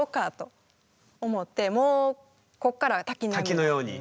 滝のように。